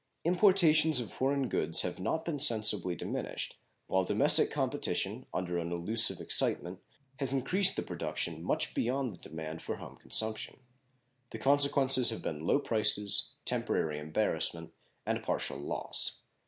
Importations of foreign goods have not been sensibly diminished, while domestic competition, under an illusive excitement, has increased the production much beyond the demand for home consumption. The consequences have been low prices, temporary embarrassment, and partial loss.